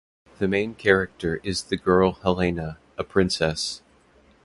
The main character is the girl Helena, a princess.